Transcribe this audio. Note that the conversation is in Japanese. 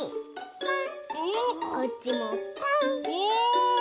ポン！